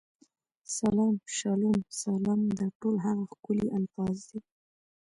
سلام، شالوم، سالم، دا ټول هغه ښکلي الفاظ دي.